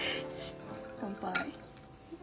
乾杯。